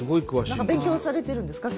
何か勉強されてるんですか？